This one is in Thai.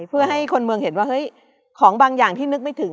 เพื่อให้คนเมืองเห็นว่าเฮ้ยของบางอย่างที่นึกไม่ถึง